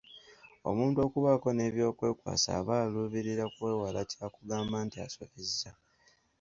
Omuntu okubaako n'eby'okwekwasa aba aluubirira kwewala kya kugamba nti asobezza.